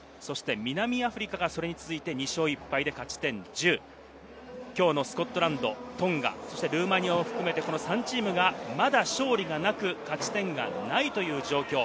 南アフリカがそれに続いて２勝１敗で勝ち点１０、きょうのスコットランド、トンガ、そしてルーマニアを含めて、３チームがまだ勝利がなく、勝ち点がないという状況。